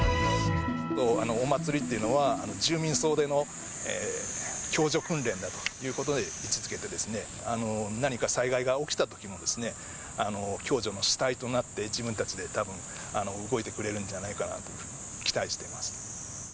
お祭りっていうのは、住民総出の共助訓練だということで位置づけて、何か災害が起きたときもですね、共助の主体となって、自分たちでたぶん、動いてくれるんじゃないかなと期待してます。